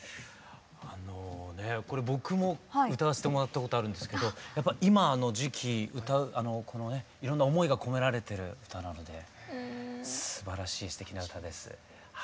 これ僕も歌わせてもらったことあるんですけどやっぱ今の時期いろんな思いが込められてる歌なのですばらしいすてきな歌です。